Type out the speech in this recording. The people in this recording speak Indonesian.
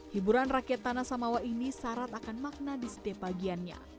hiburan rakyat tanah samawa ini syarat akan makna di setiap bagiannya